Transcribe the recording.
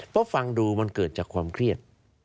เพราะฟังดูมันเกิดจากความเครียด